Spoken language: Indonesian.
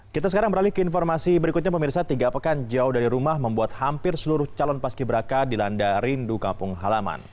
kita sekarang beralih ke informasi berikutnya pemirsa tiga pekan jauh dari rumah membuat hampir seluruh calon paski beraka dilanda rindu kampung halaman